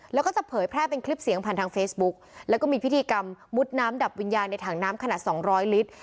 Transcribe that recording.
แล้วก็จะเผยแพร่เป็นคลิปเสียงผ่านทางเฟซบุ๊กแล้วก็มีพิธีกรรมมุดน้ำดับวิญญาณในถังน้ำขนาดสองร้อยลิตร